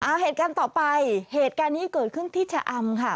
เอาเหตุการณ์ต่อไปเหตุการณ์นี้เกิดขึ้นที่ชะอำค่ะ